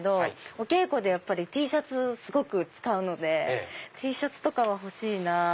お稽古でＴシャツすごく使うのでＴシャツとかは欲しいなぁ。